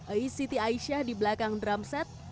ais siti aisyah di belakang drum set